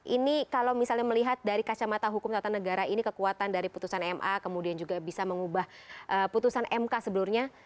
ini kalau misalnya melihat dari kacamata hukum tata negara ini kekuatan dari putusan ma kemudian juga bisa mengubah putusan mk sebelumnya